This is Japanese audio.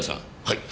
はい。